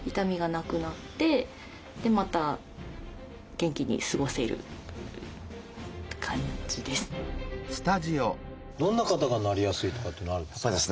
先生にちょっとこれはどんな方がなりやすいとかっていうのはあるんですか？